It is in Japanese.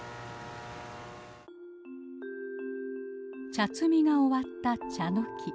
茶摘みが終わったチャノキ。